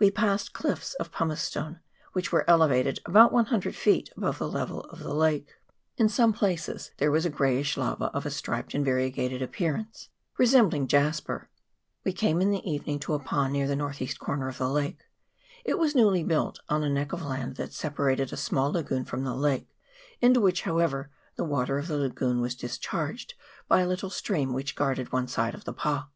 We passed cliffs of pumice stone, which were elevated about one hundred feet above the level of the lake. In some places there was a greyish lava of a striped and variegated ap pearance, resembling jasper. We came in the even ing to a pa near the north east corner of the lake. It was newly built on a neck of land that separated a small lagoon from the lake, into which, however, the water of the lagoon was discharged by a little stream, which guarded one side of the pa.